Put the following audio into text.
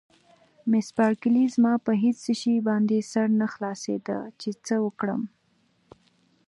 مس بارکلي: زما په هېڅ شي باندې سر نه خلاصېده چې څه وکړم.